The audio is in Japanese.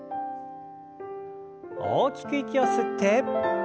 大きく息を吸って。